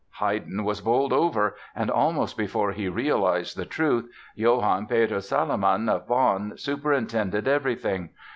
Haydn was bowled over and almost before he realized the truth, Johann Peter Salomon, of Bonn, superintended everything.